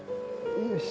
よし。